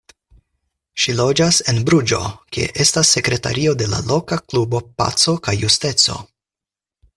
Ŝi loĝas en Bruĝo, kie estas sekretario de la loka klubo Paco kaj Justeco.